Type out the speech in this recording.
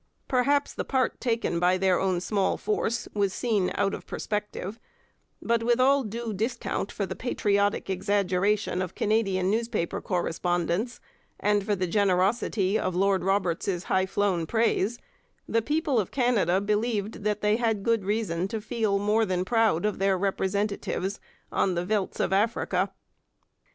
Perhaps the part taken by their own small force was seen out of perspective; but with all due discount for the patriotic exaggeration of Canadian newspaper correspondents and for the generosity of Lord Roberts's high flown praise, the people of Canada believed that they had good reason to feel more than proud of their representatives on the veldts of Africa.